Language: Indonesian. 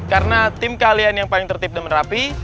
karena tim kalian yang paling tertib dan rapi